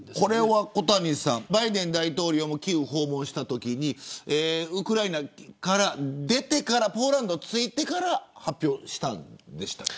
小谷さん、バイデン大統領もキーウを訪問したときウクライナから出てからポーランドに着いてから発表したんですか。